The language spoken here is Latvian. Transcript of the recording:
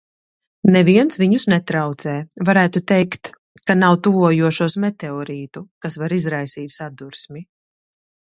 Neviens viņus netraucē, varētu teikt, ka nav tuvojošos meteorītu, kas var izraisīt sadursmi.